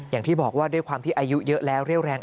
อย่างที่บอกว่าด้วยความที่อายุเยอะแล้วเรี่ยวแรง